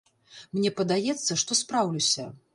Мне падаецца, што спраўлюся.